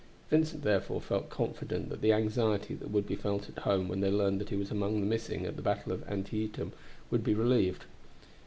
Vincent therefore felt confident that the anxiety that would be felt at home when they learned that he was among the missing at the battle of Antietam would be relieved.